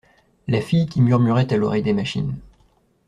La fille qui murmurait à l’oreille des machines.